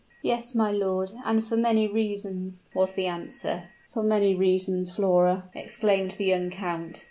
"Yes, my lord, and for many reasons," was the answer. "For many reasons, Flora!" exclaimed the young count.